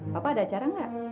papa ada acara enggak